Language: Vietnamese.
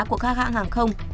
của các hãng hàng không